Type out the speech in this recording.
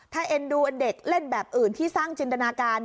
ถ้าเอ็นดูเด็กเล่นแบบอื่นที่สร้างจินตนาการ